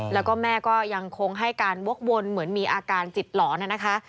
แล้วก็แม่ก็ยังคงให้การวกวนเหมือนมีอาการจิตหลอนนะคะ